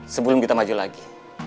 sebelum kita maju lagi